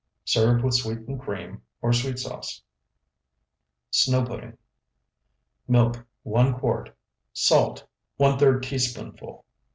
Serve with sweetened cream or sweet sauce. SNOW PUDDING Milk, 1 quart. Salt, ⅓ teaspoonful.